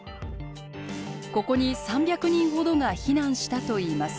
ここに３００人ほどが避難したといいます。